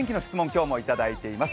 今日もいただいています